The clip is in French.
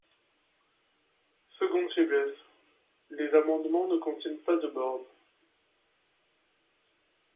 Seconde faiblesse : les amendements ne contiennent pas de borne.